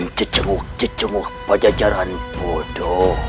dan cecenguk cecenguk pajajaran bodoh